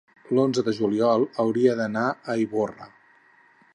l'onze de juliol hauria d'anar a Ivorra.